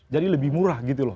jadi lebih murah gitu loh